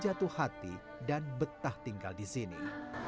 jatuh hati dan betah tinggal di sini